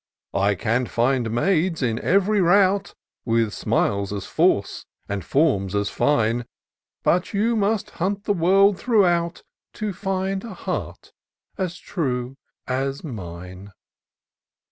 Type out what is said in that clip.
I can find maids, in ev'ry rout. With smiles as false and forms as fine ; But you must hunt the world throughout, To find a heart as true as mine."